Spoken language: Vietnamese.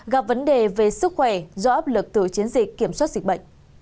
gặp vấn đề về sức khỏe do áp lực từ chiến dịch kiểm soát dịch bệnh